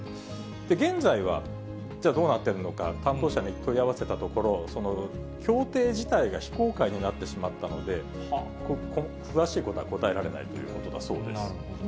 現在はじゃあどうなっているのか、担当者に問い合わせたところ、協定自体が非公開になってしまったので、詳しいことは答えられないということだそうです。